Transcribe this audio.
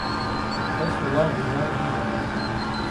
کهس وڵاغی وای نییه